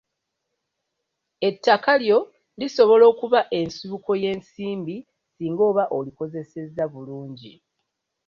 Ettaka lyo lisobola okuba ensibuko y'ensimbi singa oba olikozesezza bulungi.